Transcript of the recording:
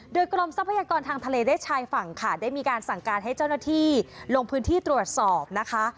โดยกรมทรัพยากรทางทะเลและชายฝั่งค่ะได้มีการสั่งการให้เจ้าหน้าที่ลงพื้นที่ตรวจสอบนะคะ